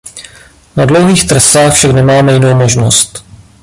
Na dlouhých trasách však nemáme jinou možnost.